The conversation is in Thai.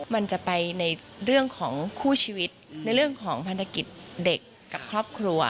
มันจะไปในเรื่องของคู่ชีวิตในเรื่องของพันธกิจเด็กกับครอบครัว